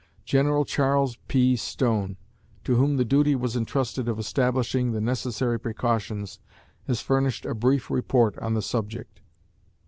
General Charles P. Stone, to whom the duty was entrusted of establishing the necessary precautions, has furnished a brief report on the subject.